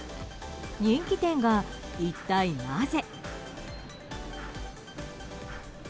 人気店が一体なぜ。